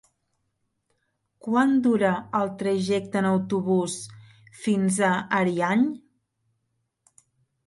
Quant dura el trajecte en autobús fins a Ariany?